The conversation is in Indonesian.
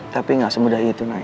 tapi gak semudah itu nay